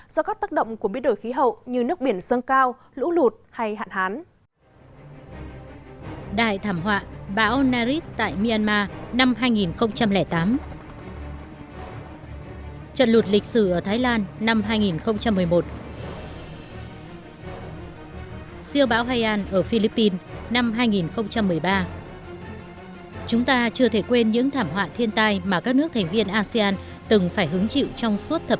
do các tác động của biến đổi khí hậu như nước biển sơn cao lũ lụt hay hạn hán